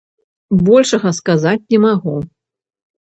Большага сказаць не магу.